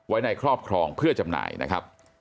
ในครอบครองเพื่อจำหน่ายนะครับ